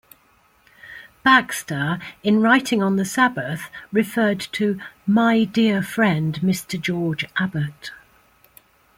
Baxter in writing on the Sabbath referred to "my dear friend Mr. George Abbot".